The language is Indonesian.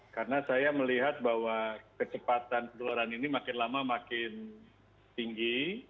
karena saya melihat bahwa kecepatan penularan ini makin lama makin tinggi